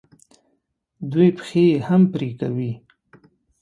دوی پښې یې هم پرې کوي.